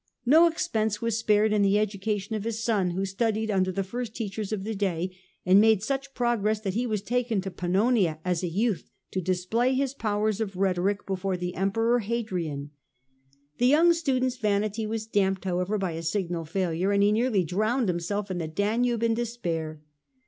No expense was spared in the education of his son, who studied under the first teachers of the day, and made such progress that he was taken to Pannonia as a youth to display his powers of rhetoric, before the Em 1 86 The Age of the A ntonines, ch. vm. peror Hadrian. The young student^s vanity was damped, however, by a signal failure, and he nearly drowned him self in the Danube iri despair.